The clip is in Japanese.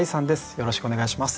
よろしくお願いします。